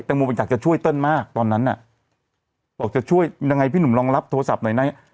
งโมมันอยากจะช่วยเติ้ลมากตอนนั้นน่ะบอกจะช่วยยังไงพี่หนุ่มลองรับโทรศัพท์หน่อยนะ